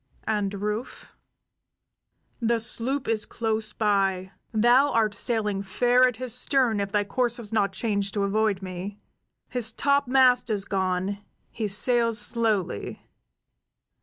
"And Rufe?" "The sloop is close by. Thou art sailing fair at his stern if thy course was not changed to avoid me. His topmast is gone; he sails slowly."